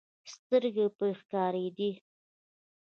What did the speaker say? سترګې پرې ښکارېدې.